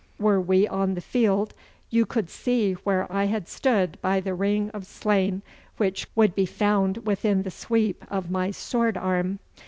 Were we on the field you could see where I had stood by the ring of slain which would be found within the sweep of my sword arm.